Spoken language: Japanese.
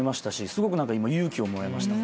すごく勇気をもらいました。